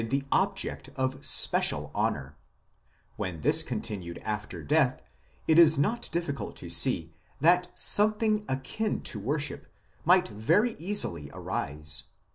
110 THE CULT OF THE DEAD in object of special honour ; when this continued after death it is not difficult to see that something akin to worship might very easily arise.